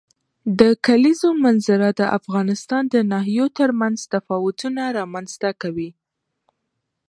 د کلیزو منظره د افغانستان د ناحیو ترمنځ تفاوتونه رامنځ ته کوي.